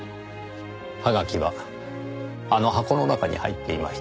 はがきはあの箱の中に入っていました。